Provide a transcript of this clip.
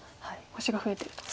星が増えてると。